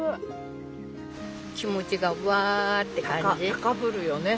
高ぶるよね？